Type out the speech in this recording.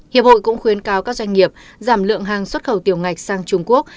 hiệp hội cũng khuyến cáo các doanh nghiệp giảm lượng hàng xuất khẩu tiểu ngạch sang trung quốc